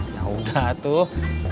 ya udah tuh